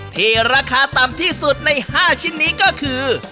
ที่ราคาต่ำที่สุดใน๕ชิ้นนี้ก็คือ